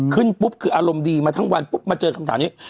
ขึ้นปุ๊บคืออารมณ์ดีมาทั้งวันปุ๊บมาเจอคำถามนี้